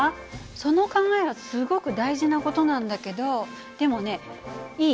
その考えはすごく大事な事なんだけどでもねいい？